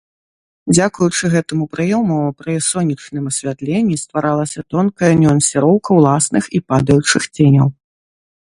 Дзякуючы гэтаму прыёму, пры сонечным асвятленні стваралася тонкая нюансіроўка ўласных і падаючых ценяў.